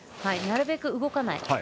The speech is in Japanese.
なるべく動かない。